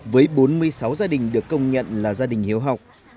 với bốn mươi sáu gia đình được công nhận là gia đình hiếu học